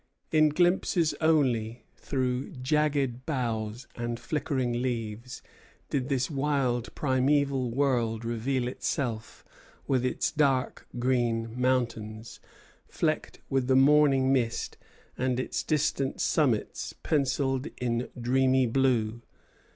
In glimpses only, through jagged boughs and flickering leaves, did this wild primeval world reveal itself, with its dark green mountains, flecked with the morning mist, and its distant summits pencilled in dreamy blue.